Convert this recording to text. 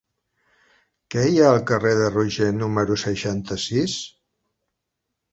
Què hi ha al carrer de Roger número seixanta-sis?